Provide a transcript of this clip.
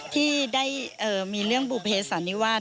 ที่ได้มีเรื่องบุภเสันนิวาส